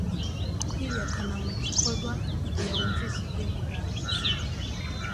Kwiyakana Mu gikorwa, igihe wumvise ugiye kurangiza